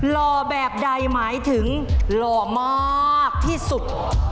รอแบบใดหมายถึงรอมากที่สุด